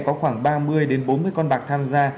có khoảng ba mươi bốn mươi con bạc tham gia